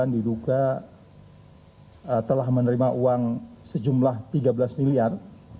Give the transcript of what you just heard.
dua ribu tujuh dua ribu sembilan diduga telah menerima uang sejumlah tiga belas miliar